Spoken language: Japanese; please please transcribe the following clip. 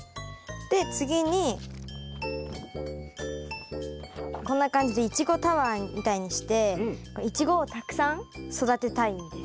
で次にこんな感じでイチゴタワーみたいにしてイチゴをたくさん育てたいんです。